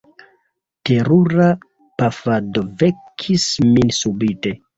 Terura pafado vekis min subite.